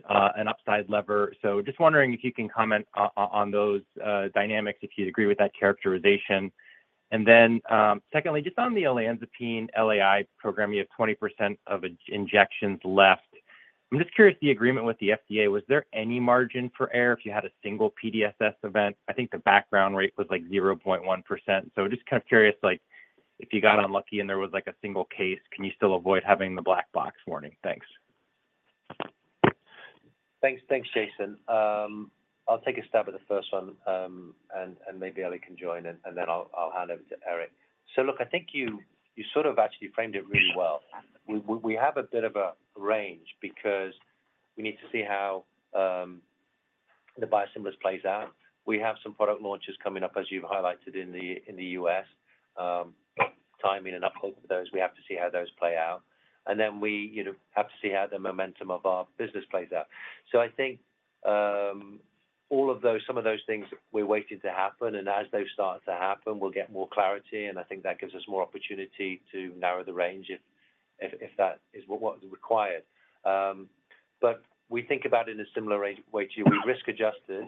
an upside lever. So just wondering if you can comment on those dynamics, if you'd agree with that characterization. And then secondly, just on the olanzapine LAI program, you have 20% of injections left. I'm just curious the agreement with the FDA. Was there any margin for error if you had a single PDSS event? I think the background rate was 0.1%. So just kind of curious if you got unlucky and there was a single case, can you still avoid having the black box warning? Thanks. Thanks. Thanks, Jason. I'll take a stab at the first one, and maybe Eli can join, and then I'll hand over to Eric. So look, I think you sort of actually framed it really well. We have a bit of a range because we need to see how the biosimilars plays out. We have some product launches coming up, as you've highlighted, in the U.S. Timing and updates for those, we have to see how those play out. And then we have to see how the momentum of our business plays out. So I think some of those things we're waiting to happen. And as they start to happen, we'll get more clarity. And I think that gives us more opportunity to narrow the range if that is what's required. But we think about it in a similar way too. We've risk-adjusted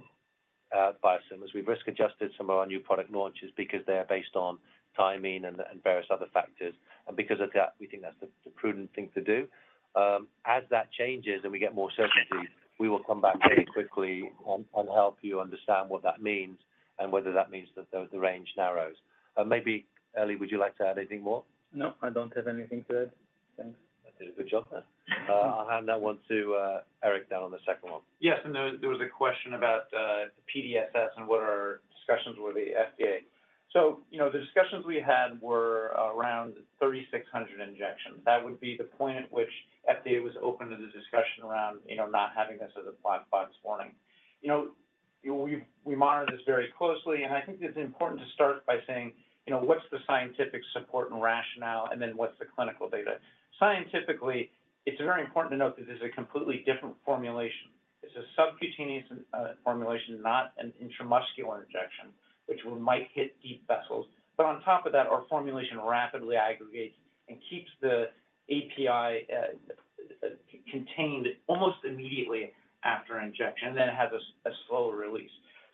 biosimilars. We've risk-adjusted some of our new product launches because they are based on timing and various other factors. Because of that, we think that's the prudent thing to do. As that changes and we get more certainty, we will come back very quickly and help you understand what that means and whether that means that the range narrows. Maybe, Eli, would you like to add anything more? No, I don't have anything to add. Thanks. That did a good job there. I'll hand that one to Eric down on the second one. Yes. And there was a question about the PDSS and what our discussions were with the FDA. So the discussions we had were around 3,600 injections. That would be the point at which FDA was open to the discussion around not having this as a Black Box Warning. We monitor this very closely. And I think it's important to start by saying, what's the scientific support and rationale, and then what's the clinical data? Scientifically, it's very important to note that this is a completely different formulation. It's a subcutaneous formulation, not an intramuscular injection, which might hit deep vessels. But on top of that, our formulation rapidly aggregates and keeps the API contained almost immediately after injection, and then it has a slower release.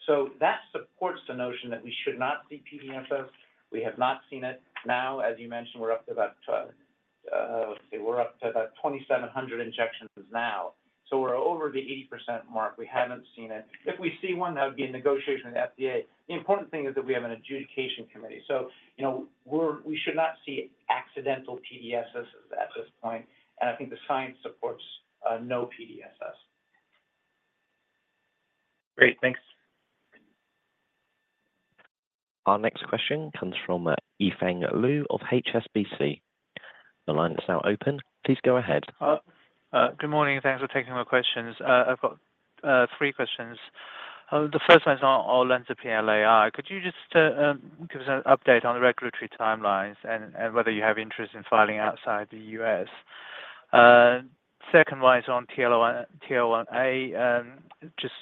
So that supports the notion that we should not see PDSS. We have not seen it. Now, as you mentioned, we're up to about, let's see, we're up to about 2,700 injections now. So we're over the 80% mark. We haven't seen it. If we see one, that would be in negotiation with the FDA. The important thing is that we have an adjudication committee. So we should not see accidental PDSS at this point. And I think the science supports no PDSS. Great. Thanks. Our next question comes from Yifeng Liu of HSBC. Your line is now open. Please go ahead. Good morning. Thanks for taking my questions. I've got three questions. The first one is on olanzapine LAI. Could you just give us an update on the regulatory timelines and whether you have interest in filing outside the U.S.? Second one is on TL1A. Just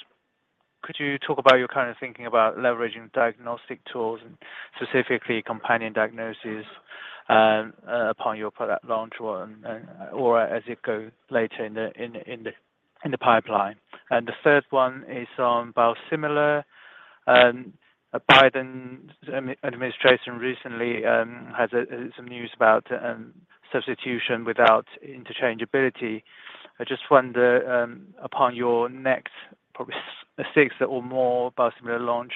could you talk about your current thinking about leveraging diagnostic tools and specifically companion diagnoses upon your product launch or as it goes later in the pipeline? And the third one is on biosimilar. Biden administration recently had some news about substitution without interchangeability. I just wonder, upon your next probably six or more biosimilar launch,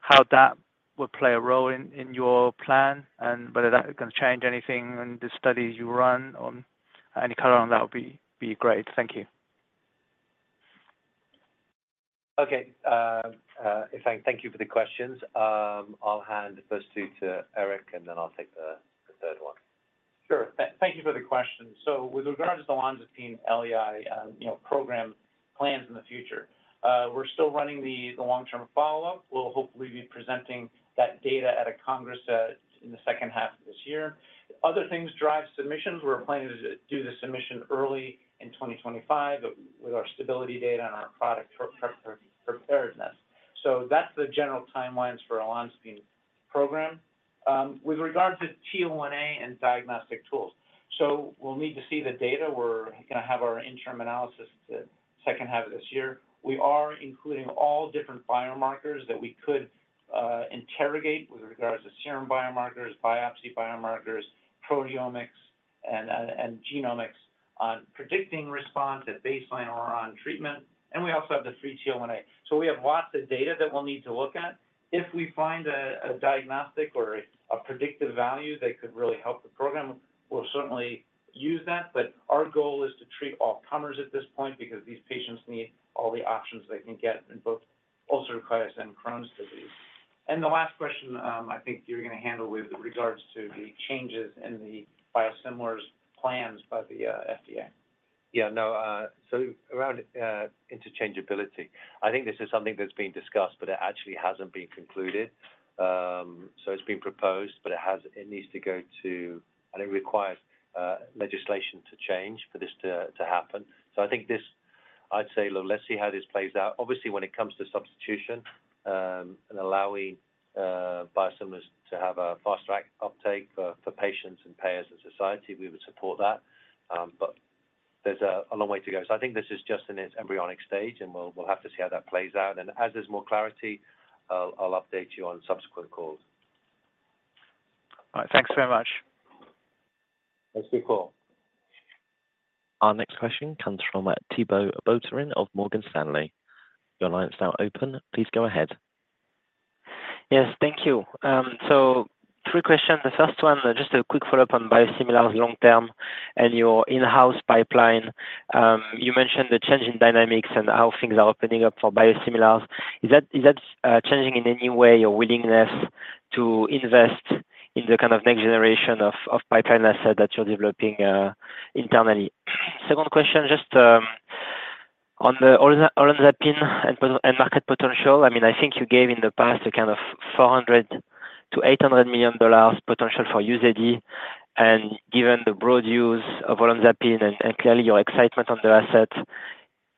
how that would play a role in your plan and whether that's going to change anything in the studies you run. Any color on that would be great. Thank you. Okay. Yifeng, thank you for the questions. I'll hand the first two to Eric, and then I'll take the third one. Sure. Thank you for the questions. So with regard to the olanzapine LAI program plans in the future, we're still running the long-term follow-up. We'll hopefully be presenting that data at a congress in the second half of this year. Other things drive submissions. We're planning to do the submission early in 2025 with our stability data and our product preparedness. So that's the general timelines for olanzapine program. With regard to TL1A and diagnostic tools, so we'll need to see the data. We're going to have our interim analysis the second half of this year. We are including all different biomarkers that we could interrogate with regards to serum biomarkers, biopsy biomarkers, proteomics, and genomics on predicting response at baseline or on treatment. And we also have the free TL1A. So we have lots of data that we'll need to look at. If we find a diagnostic or a predictive value that could really help the program, we'll certainly use that. But our goal is to treat all comers at this point because these patients need all the options they can get in both ulcerative colitis and Crohn's disease. The last question, I think you're going to handle with regards to the changes in the biosimilars plans by the FDA. Yeah. No. So around interchangeability, I think this is something that's been discussed, but it actually hasn't been concluded. So it's been proposed, but it needs to go to and it requires legislation to change for this to happen. So I think this, I'd say, look, let's see how this plays out. Obviously, when it comes to substitution and allowing biosimilars to have a faster uptake for patients and payers and society, we would support that. But there's a long way to go. So I think this is just in its embryonic stage, and we'll have to see how that plays out. And as there's more clarity, I'll update you on subsequent calls. All right. Thanks very much. Thanks, Nicole Our next question comes from Thibault Boutherin of Morgan Stanley. Your line is now open. Please go ahead. Yes. Thank you. So three questions. The first one, just a quick follow-up on biosimilars long-term and your in-house pipeline. You mentioned the change in dynamics and how things are opening up for biosimilars. Is that changing in any way, your willingness to invest in the kind of next generation of pipeline asset that you're developing internally? Second question, just on the olanzapine and market potential. I mean, I think you gave in the past a kind of $400 million-$800 million potential for Uzedy. And given the broad use of olanzapine and clearly your excitement on the asset,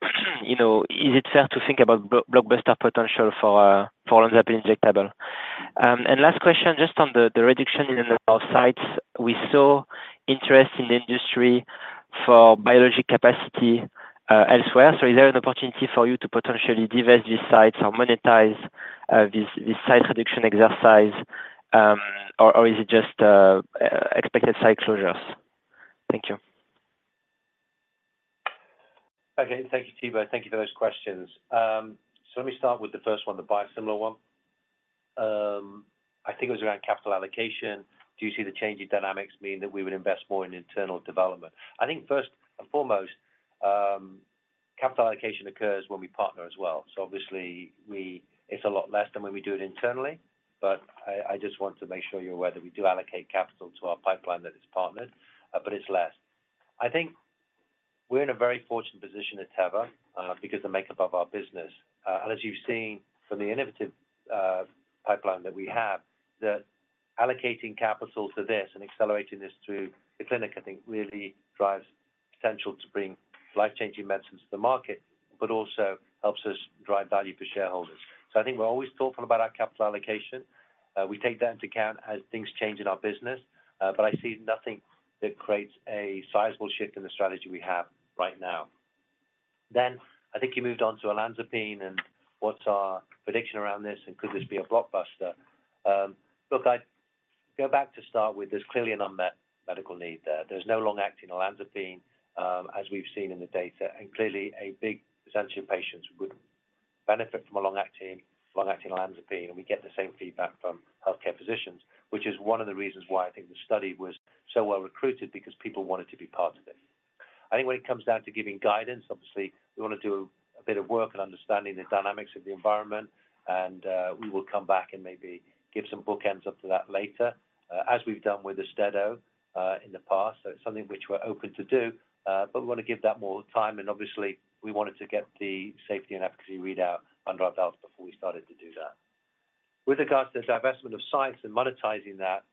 is it fair to think about blockbuster potential for olanzapine injectable? And last question, just on the reduction in the number of sites, we saw interest in the industry for biologic capacity elsewhere. Is there an opportunity for you to potentially divest these sites or monetize this site reduction exercise, or is it just expected site closures? Thank you. Okay. Thank you, Thibault. Thank you for those questions. So let me start with the first one, the biosimilar one. I think it was around capital allocation. Do you see the change in dynamics mean that we would invest more in internal development? I think first and foremost, capital allocation occurs when we partner as well. So obviously, it's a lot less than when we do it internally. But I just want to make sure you're aware that we do allocate capital to our pipeline that is partnered, but it's less. I think we're in a very fortunate position at Teva because of the makeup of our business. And as you've seen from the innovative pipeline that we have, allocating capital to this and accelerating this through the clinic, I think, really drives potential to bring life-changing medicines to the market but also helps us drive value for shareholders. So I think we're always thoughtful about our capital allocation. We take that into account as things change in our business. But I see nothing that creates a sizable shift in the strategy we have right now. Then I think you moved on to olanzapine and what's our prediction around this, and could this be a blockbuster? Look, I'd go back to start with there's clearly an unmet medical need there. There's no long-acting olanzapine as we've seen in the data. And clearly, a big potential patients would benefit from a long-acting olanzapine. And we get the same feedback from healthcare physicians, which is one of the reasons why I think the study was so well recruited because people wanted to be part of it. I think when it comes down to giving guidance, obviously, we want to do a bit of work and understanding the dynamics of the environment. We will come back and maybe give some bookends up to that later as we've done with Austedo in the past. So it's something which we're open to do. But we want to give that more time. And obviously, we wanted to get the safety and efficacy readout under our belt before we started to do that. With regards to diversifying of sites and monetizing that,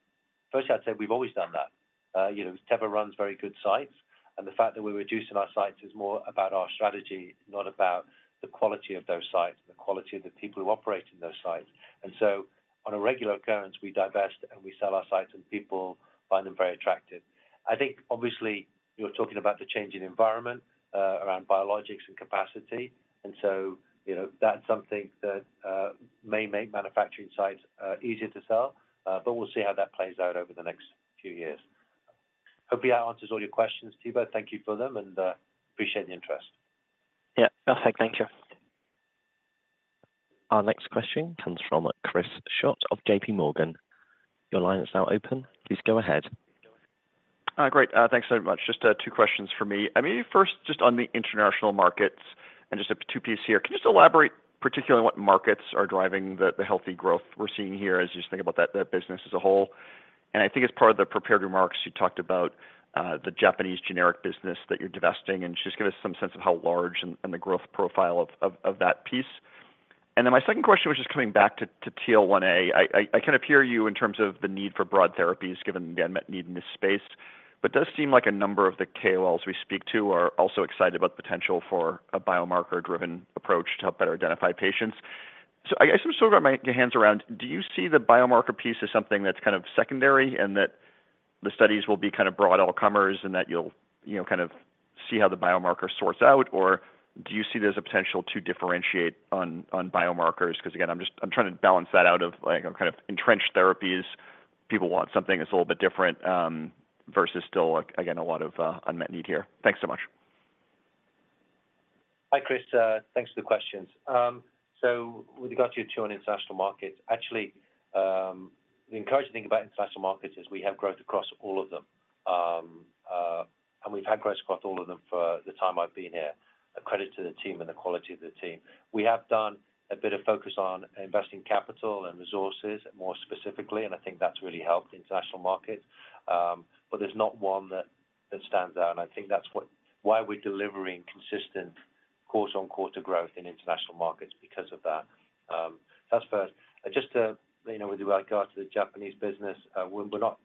first, I'd say we've always done that. Teva runs very good sites. And the fact that we're reducing our sites is more about our strategy, not about the quality of those sites and the quality of the people who operate in those sites. And so on a regular occurrence, we divest and we sell our sites, and people find them very attractive. I think obviously, you're talking about the change in environment around biologics and capacity. And so that's something that may make manufacturing sites easier to sell. But we'll see how that plays out over the next few years. Hope that answers all your questions, Thibault. Thank you for them, and appreciate the interest. Yeah. Perfect. Thank you. Our next question comes from Chris Schott of J.P. Morgan. Your line is now open. Please go ahead. Great. Thanks so much. Just two questions for me. Maybe first, just on the international markets and just a two-piece here. Can you just elaborate particularly on what markets are driving the healthy growth we're seeing here as you just think about that business as a whole? And I think as part of the prepared remarks, you talked about the Japanese generic business that you're divesting. And just give us some sense of how large and the growth profile of that piece. And then my second question, which is coming back to TL1A, I kind of hear you in terms of the need for broad therapies given the unmet need in this space. But it does seem like a number of the KOLs we speak to are also excited about the potential for a biomarker-driven approach to help better identify patients. So I guess I'm sort of going to wrap my hands around. Do you see the biomarker piece as something that's kind of secondary and that the studies will be kind of broad all comers and that you'll kind of see how the biomarker sorts out? Or do you see there's a potential to differentiate on biomarkers? Because again, I'm trying to balance that out of kind of entrenched therapies. People want something that's a little bit different versus still, again, a lot of unmet need here. Thanks so much. Hi, Chris. Thanks for the questions. So with regard to your two on international markets, actually, the encouraging thing about international markets is we have growth across all of them. We've had growth across all of them for the time I've been here. Credit to the team and the quality of the team. We have done a bit of focus on investing capital and resources more specifically. I think that's really helped international markets. There's not one that stands out. I think that's why we're delivering consistent quarter-on-quarter growth in international markets because of that. That's first. Just with regard to the Japanese business, we're not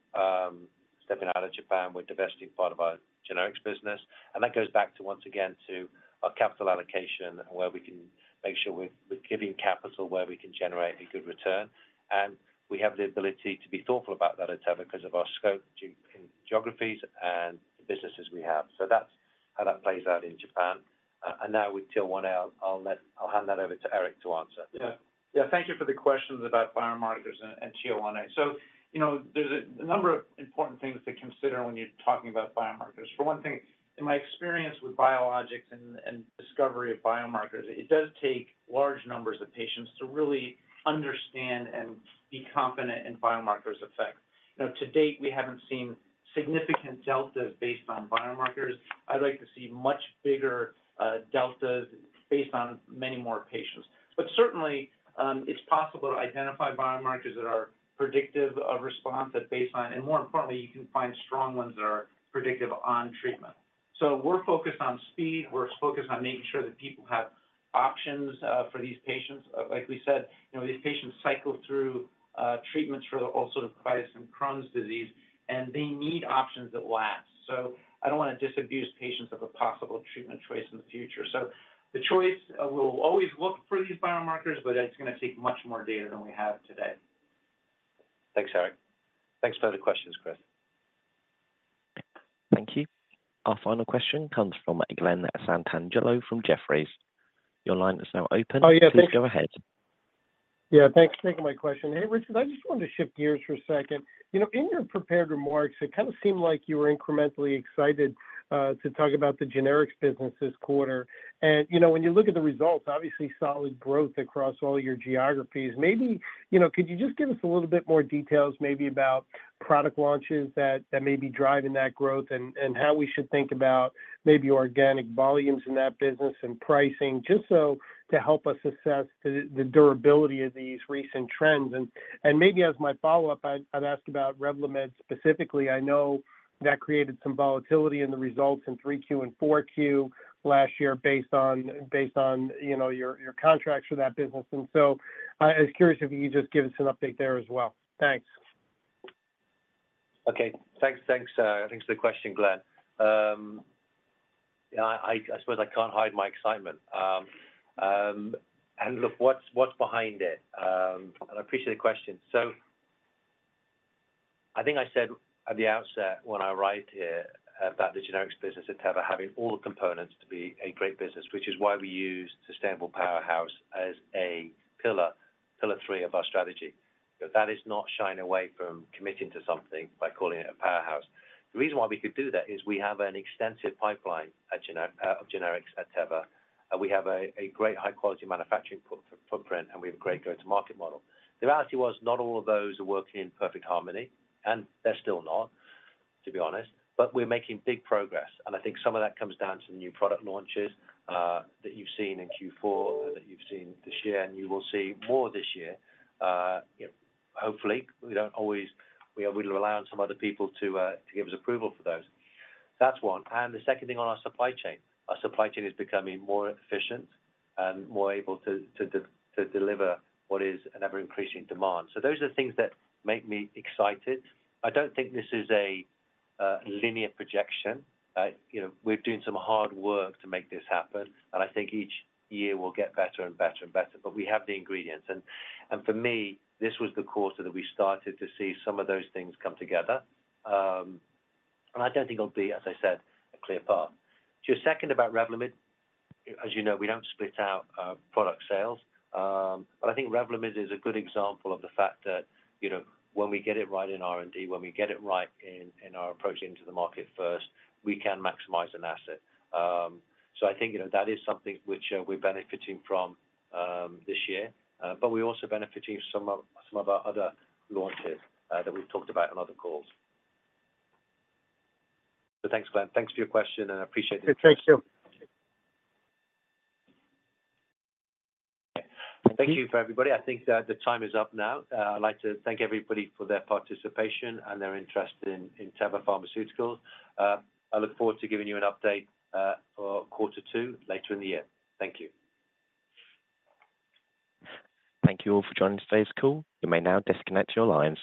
stepping out of Japan. We're divesting part of our generics business. That goes back to, once again, to our capital allocation and where we can make sure we're giving capital where we can generate a good return. We have the ability to be thoughtful about that at Teva because of our scope in geographies and the businesses we have. That's how that plays out in Japan. Now with TL1A, I'll hand that over to Eric to answer. Yeah. Yeah. Thank you for the questions about biomarkers and TL1A. So there's a number of important things to consider when you're talking about biomarkers. For one thing, in my experience with biologics and discovery of biomarkers, it does take large numbers of patients to really understand and be confident in biomarkers' effects. To date, we haven't seen significant deltas based on biomarkers. I'd like to see much bigger deltas based on many more patients. But certainly, it's possible to identify biomarkers that are predictive of response and more importantly, you can find strong ones that are predictive on treatment. So we're focused on speed. We're focused on making sure that people have options for these patients. Like we said, these patients cycle through treatments for ulcerative colitis and Crohn's disease. And they need options that last. I don't want to disabuse patients of a possible treatment choice in the future. The choice, we'll always look for these biomarkers, but it's going to take much more data than we have today. Thanks, Eric. Thanks for the questions, Chris. Thank you. Our final question comes from Glen Santangelo from Jefferies. Your line is now open. Please go ahead. Yeah. Thanks for taking my question. Hey, Richard, I just wanted to shift gears for a second. In your prepared remarks, it kind of seemed like you were incrementally excited to talk about the generics business this quarter. And when you look at the results, obviously, solid growth across all your geographies. Could you just give us a little bit more details maybe about product launches that may be driving that growth and how we should think about maybe organic volumes in that business and pricing just so to help us assess the durability of these recent trends? And maybe as my follow-up, I'd ask about Revlimid specifically. I know that created some volatility in the results in 3Q and 4Q last year based on your contracts for that business. And so I was curious if you could just give us an update there as well. Thanks. Okay. Thanks. Thanks for the question, Glenn. I suppose I can't hide my excitement. And look, what's behind it? And I appreciate the question. So I think I said at the outset when I write here about the generics business at Teva having all the components to be a great business, which is why we use Sustainable Powerhouse as a pillar, pillar three of our strategy. That is not shying away from committing to something by calling it a powerhouse. The reason why we could do that is we have an extensive pipeline of generics at Teva. We have a great high-quality manufacturing footprint, and we have a great go-to-market model. The reality was not all of those are working in perfect harmony. And they're still not, to be honest. But we're making big progress. I think some of that comes down to the new product launches that you've seen in Q4 that you've seen this year, and you will see more this year, hopefully. We don't always. We'll rely on some other people to give us approval for those. That's one. The second thing on our supply chain. Our supply chain is becoming more efficient and more able to deliver what is an ever-increasing demand. So those are things that make me excited. I don't think this is a linear projection. We're doing some hard work to make this happen. I think each year we'll get better and better and better. We have the ingredients. For me, this was the quarter that we started to see some of those things come together. I don't think it'll be, as I said, a clear path. To your second about Revlimid, as you know, we don't split out product sales. But I think Revlimid is a good example of the fact that when we get it right in R&D, when we get it right in our approach into the market first, we can maximize an asset. So I think that is something which we're benefiting from this year. But we're also benefiting from some of our other launches that we've talked about on other calls. So thanks, Glen. Thanks for your question, and I appreciate the discussion. Thank you. Thank you for everybody. I think the time is up now. I'd like to thank everybody for their participation and their interest in Teva Pharmaceuticals. I look forward to giving you an update for quarter two later in the year. Thank you. Thank you all for joining today's call. You may now disconnect your lines.